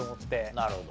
なるほど。